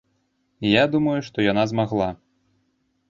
Я думаю, што яна змагла.